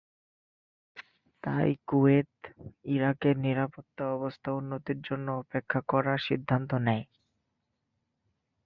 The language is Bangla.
তাই কুয়েত, ইরাকের নিরাপত্তা অবস্থার উন্নতির জন্য অপেক্ষা করা সিদ্ধান্ত নেয়।